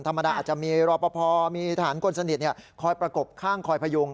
ธรรมดาอาจจะมีรอบพภมีถ่านกลสนิทคอยประกบข้างคอยพยุง